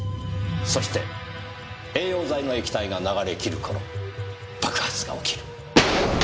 そして栄養剤の液体が流れきる頃爆発が起きる。